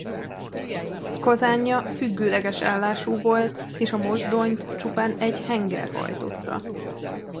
Kazánja függőleges állású volt és a mozdonyt csupán egy henger hajtotta.